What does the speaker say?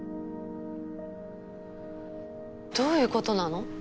どういう事なの？